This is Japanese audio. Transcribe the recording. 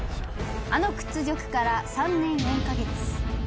あの屈辱から３年４か月。